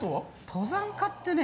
登山家ってね